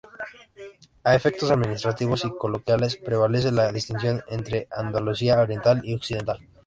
A efectos administrativos y coloquiales prevalece la distinción entre Andalucía Oriental y Occidental.